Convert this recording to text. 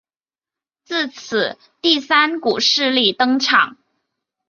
自此第三股势力登场。